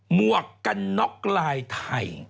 หวกกันน็อกลายไทย